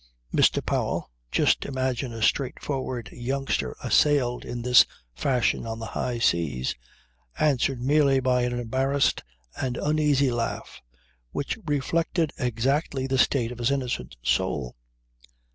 Mr. Powell just imagine a straightforward youngster assailed in this fashion on the high seas answered merely by an embarrassed and uneasy laugh which reflected exactly the state of his innocent soul.